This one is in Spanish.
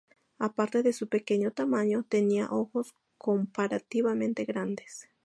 Aparte de su pequeño tamaño, tenía ojos comparativamente grandes.